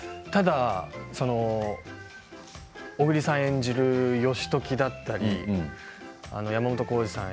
小栗さん演じる義時だったり山本耕史さん